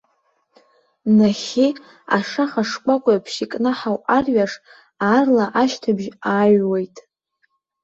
Нахьхьи, ашаха шкәакәеиԥш икнаҳау арҩаш, аарла ашьҭыбжь ааҩуеит.